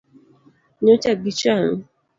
Nyocha gichami?